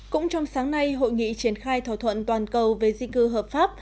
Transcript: cũng trong sáng nay hội nghị triển khai thỏa thuận toàn cầu về di cư hợp pháp